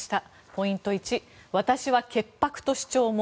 ポイント１、私は潔白と主張も。